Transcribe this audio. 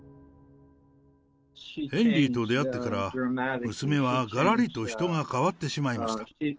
ヘンリーと出会ってから、娘はがらりと人が変わってしまいました。